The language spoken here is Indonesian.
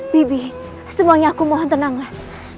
bibi semuanya aku mohon tenanglah